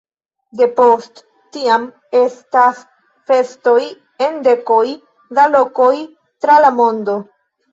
Depost tiam estas festoj en dekoj da lokoj tra la mondo.